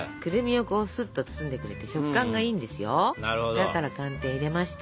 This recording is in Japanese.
だから寒天入れました。